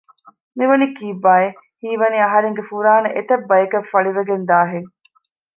މިވަނީ ކީއްބާއެވެ؟ ހީވަނީ އަހަރެންގެ ފުރާނަ އެތައް ބަޔަކަށް ފަޅިވެގެންދާ ހެން